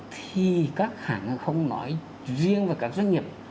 thì các hãng hàng không nói riêng và các doanh nghiệp